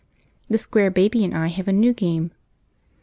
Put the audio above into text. The Square Baby and I have a new game.